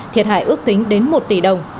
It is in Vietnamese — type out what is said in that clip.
thiệt hại ước tính đến một tỷ đồng